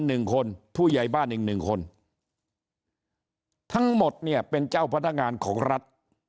หนึ่งคนผู้ใหญ่บ้านอีกหนึ่งคนทั้งหมดเนี่ยเป็นเจ้าพนักงานของรัฐ